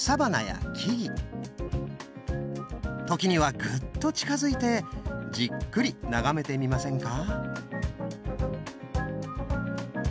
時にはグッと近づいてじっくり眺めてみませんか。